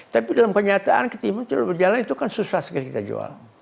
tapi dalam kenyataan ketimpang sosial ekonomi itu kan susah sekali kita jual